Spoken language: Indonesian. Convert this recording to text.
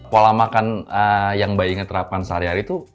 pola makan yang baik inge terapkan sehari hari itu